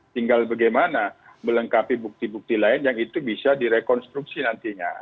tinggal bagaimana melengkapi bukti bukti lain yang itu bisa direkonstruksi nantinya